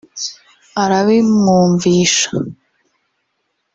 arabimwumvisha